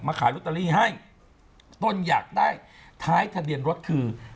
ขายลอตเตอรี่ให้ต้นอยากได้ท้ายทะเบียนรถคือ